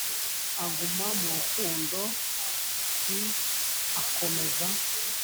uguma mu rukundo l akomeza